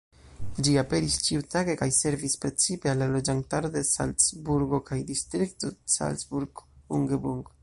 Ĝi aperis ĉiutage kaj servis precipe al la loĝantaro de Salcburgo kaj Distrikto Salzburg-Umgebung.